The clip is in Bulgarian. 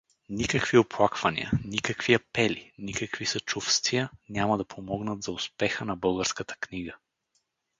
Никакви оплаквания, никакви апели, никакви съчувствия няма да помогнат за успеха на българската книга.